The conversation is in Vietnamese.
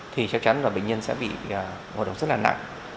thì chắc chắn là bệnh nhân sẽ bị ngộ độc rất là nặng